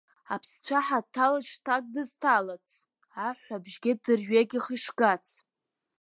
Аԥсцәаҳа дҭалеит шҭак дызҭалац, аҳәҳәабжь геит дырҩегьх ишгац.